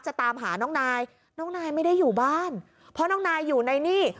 ตามหาน้องนายน้องนายไม่ได้อยู่บ้านเพราะน้องนายอยู่ในนี่